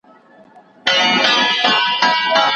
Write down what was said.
پردی ملا راغلی دی پردي یې دي نیتونه